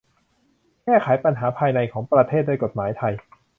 แก้ไขปัญหาภายในของประเทศด้วยกฎหมายไทย